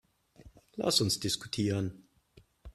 Lass uns diskutieren.